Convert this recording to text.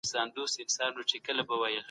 ايا حضوري ټولګي د زده کړې موثره فضا برابروي؟